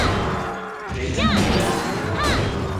你真係好叻!